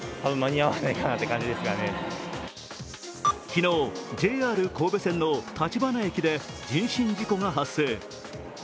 昨日、ＪＲ神戸線の立花駅で人身事故が発生。